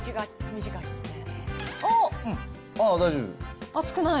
あっ、大丈夫。